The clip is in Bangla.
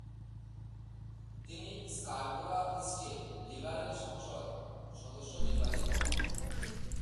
তিনি স্কারবোরা ইস্টের লিবারেল সংসদ সদস্য নির্বাচিত হন।